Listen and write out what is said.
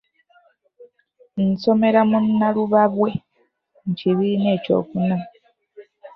Nsomera mu Nnalubabwe , mu kibiina eky'okuna.